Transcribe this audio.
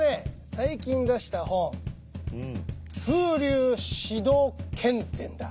最近出した本「風流志道軒伝」だ。